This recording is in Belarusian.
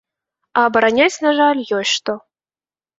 А абараняць, на жаль, ёсць што.